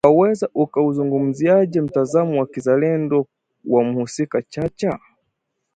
Waweza ukauzungumziaje mtazamo wa kizalendo wa mhusika Chacha?